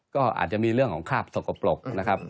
ก็อาจจะมีเรื่องของคราบสกปรกนะครับ